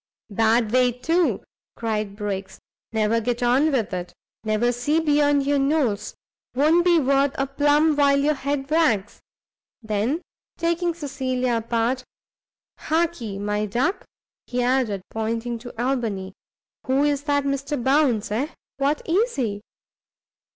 "Bad way too," cried Briggs, "never get on with it, never see beyond your nose; won't be worth a plum while your head wags!" then, taking Cecilia apart, "hark'ee, my duck," he added, pointing to Albany, "who is that Mr Bounce, eh? what is he?"